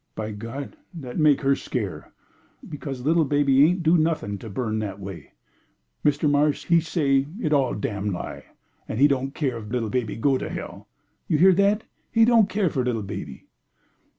By God! that's make her scare', because little baby ain't do nothing to burn that way. Mr. Marsh he say it's all damn lie, and he don't care if little baby do go to hell. You hear that? He don't care for little baby."